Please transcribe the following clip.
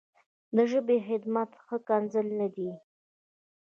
د ژبې خدمت ښکنځل نه دي.